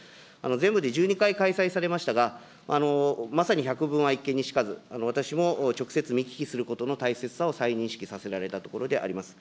全部で１２回開催されましたが、まさに百聞は一見にしかず、私も直接見聞きすることの大切さを再認識させられたところであります。